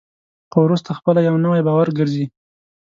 خو وروسته خپله یو نوی باور ګرځي.